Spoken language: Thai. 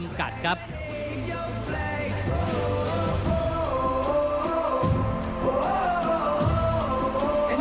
ท่านแรกครับจันทรุ่ม